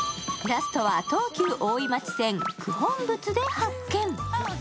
ラストは東急大井町駅九品仏で発見。